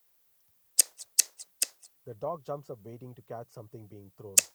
The dog jumps up waiting to catch something being thrown.